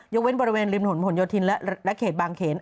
ยกเว้นบริเวณริมหนุ่มผลโยชน์ทิ้นและเขตบางเขน